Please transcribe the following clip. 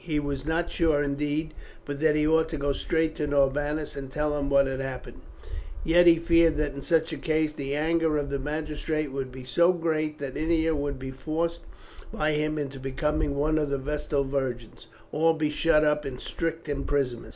He was not sure, indeed, but that he ought to go straight to Norbanus and tell him what had happened, yet he feared that in such a case the anger of the magistrate would be so great that Ennia would be forced by him into becoming one of the vestal virgins, or be shut up in strict imprisonment.